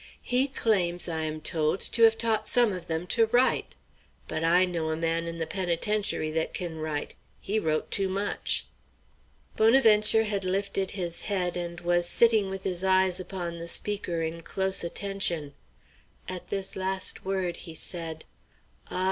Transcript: He claims, I am told, to have taught some of them to write. But I know a man in the penitentiary that can write; he wrote too much." Bonaventure had lifted his head and was sitting with his eyes upon the speaker in close attention. At this last word he said: "Ah!